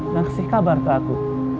dan kasih kabar ke aku